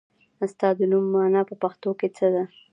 ستا د نوم مانا په پښتو کې څه ده ؟